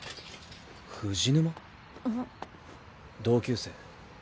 同級生。